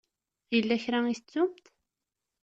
Yella kra i tettumt?